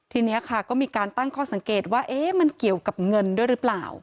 ทีนี้ค่ะก็มีการตั้งข้อสังเกตว่ามันเกี่ยวกับเงินด้วยหรือเปล่า